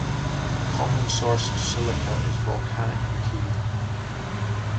A common source of silica is volcanic material.